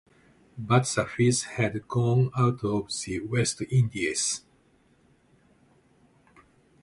But the fizz had gone out of the West Indies.